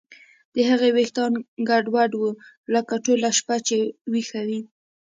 د هغې ویښتان ګډوډ وو لکه ټوله شپه چې ویښه وي